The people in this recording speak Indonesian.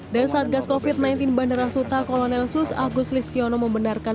dan saat gas covid sembilan belas bandara suta kolonel sus agus listiono membenarkan